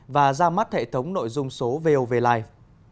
và ra mắt hệ thống nội dung số vovlive